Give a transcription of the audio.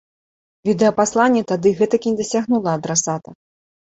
Відэапасланне тады гэтак і не дасягнула адрасата.